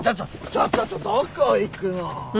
ちょちょちょどこ行くの。